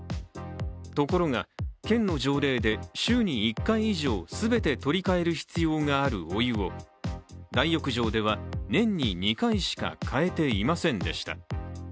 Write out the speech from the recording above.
ところが、県の条例で週に１回以上全て取り替える必要があるお湯を大浴場では年に２回しか替えていませんでした。